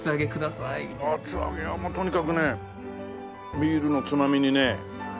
厚揚げはとにかくねビールのつまみにね。